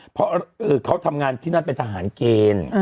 เพราะเขาทำงานที่นั่นเป็นทหารเกณฑ์